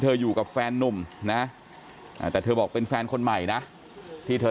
อยู่กับแฟนนุ่มนะแต่เธอบอกเป็นแฟนคนใหม่นะที่เธอ